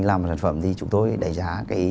làm sản phẩm thì chúng tôi đánh giá